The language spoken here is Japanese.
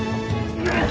うっ！